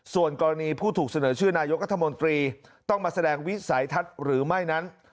ส่วนกรณีผู้ถูกเสนอชื่อนายกรัฐมนตรีต้องมาแสดงวิสัยทัศน์หรือไม่นั้น